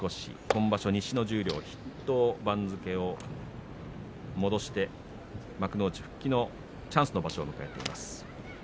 今場所は西の十両筆頭番付を戻して幕内復帰のチャンスの場所を迎えています。